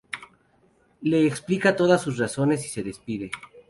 Le explica todas sus razones y se despide.